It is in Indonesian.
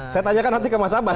saya tanyakan nanti ke mas abbas